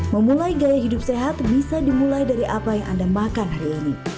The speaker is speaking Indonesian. memulai gaya hidup sehat bisa dimulai dari apa yang anda makan hari ini